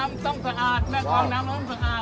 พี่พ่อกลับไปชะเทศนะพี่พ่อกลับไปชะเทศนะ